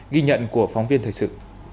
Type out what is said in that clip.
ghi nhận của phóng viên thời sự